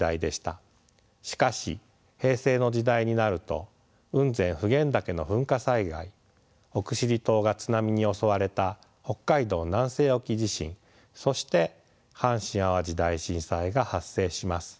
しかし平成の時代になると雲仙普賢岳の噴火災害奥尻島が津波に襲われた北海道南西沖地震そして阪神・淡路大震災が発生します。